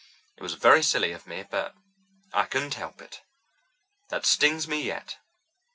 It was very silly of me, but I couldn't help it. That stings me yet.